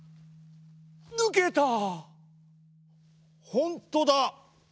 ほんとだ！